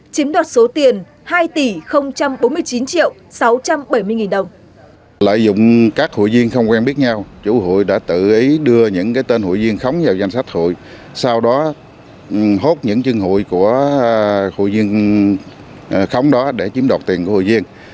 chiếm đoạt số tiền hai tỷ bốn mươi chín triệu sáu trăm bảy mươi đồng